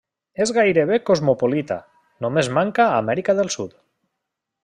És gairebé cosmopolita, només manca a Amèrica del Sud.